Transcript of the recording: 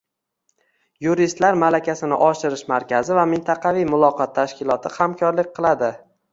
Yuristlar malakasini oshirish markazi va “Mintaqaviy muloqot” tashkiloti hamkorlik qilading